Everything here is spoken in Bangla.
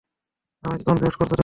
আমাকে কনফিউজড করেছো তুমি।